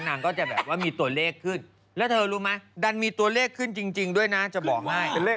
ยังเอาแป้งไปขูดอีกน้อง